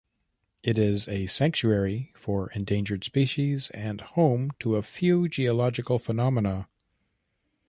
It is a sanctuary for endangered species and home to a few geological phenomena.